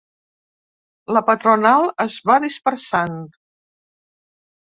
La patronal es va dispersant.